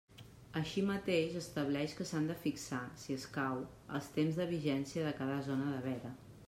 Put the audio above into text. Així mateix, estableix que s'han de fixar, si escau, els temps de vigència de cada zona de veda.